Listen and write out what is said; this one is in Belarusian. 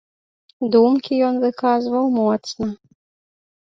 Думкі ён выказваў моцна.